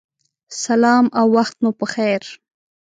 سلام او وخت مو پخیر